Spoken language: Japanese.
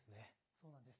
そうなんです。